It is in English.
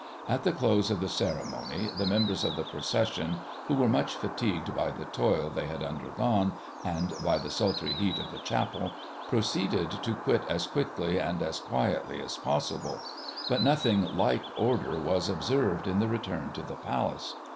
At the close of the ceremony, the members of the procession, who were much fatigued by the toil they had undergone and by the sultry heat of the chapel, proceeded to quit as quickly and as quietly as possible, but nothing like order was observed in the return to the Palace.